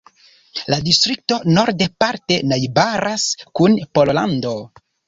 La distrikto norde parte najbaras kun Pollando.